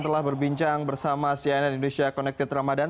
telah berbincang bersama cnn indonesia connected ramadan